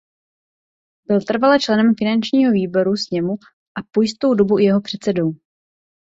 Byl trvale členem finančního výboru sněmu a po jistou dobu i jeho předsedou.